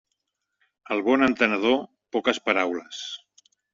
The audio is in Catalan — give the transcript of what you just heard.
Al bon entenedor, poques paraules.